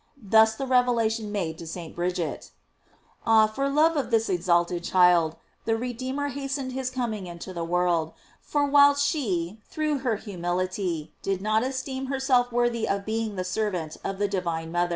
Thus the revelation made to St. Bridget.* Ah, for love of this exalted child the Redeem er hastened his coming into the world, for whilst she through her humility did not esteem herself worthy of being the servant of the divine moth* *L,2.